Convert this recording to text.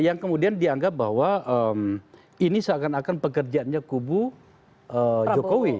saya juga beranggap bahwa ini seakan akan pekerjaannya kubu jokowi